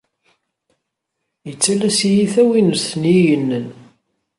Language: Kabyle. Yettalas-iyi tawinest n yiyenen.